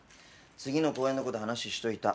次の公演の事話しといた。